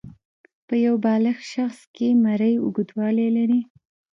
په یو بالغ شخص کې مرۍ اوږدوالی لري.